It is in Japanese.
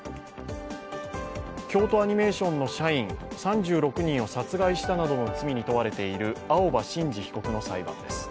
京都アニメーションの社員３６人を殺害したなどの罪に問われている青葉真司被告の裁判。